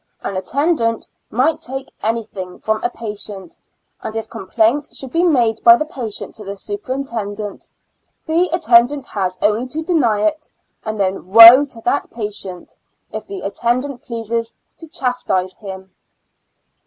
An attendant might take anything from a patient, and if complaint should be made by the patient to the superintendent, the attendant has only to deny it, and then woe to that pa tient, if the attendant pleases to chastise him.